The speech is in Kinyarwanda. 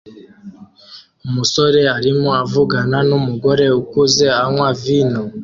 Umusore arimo avugana numugore ukuze anywa vino